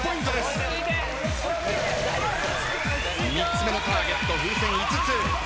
３つ目のターゲット風船５つ。